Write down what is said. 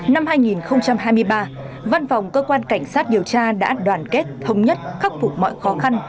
năm hai nghìn hai mươi ba văn phòng cơ quan cảnh sát điều tra đã đoàn kết thống nhất khắc phục mọi khó khăn